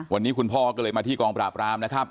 วันนี้คุณพ่อก็เลยมาที่กองปราบรามนะครับ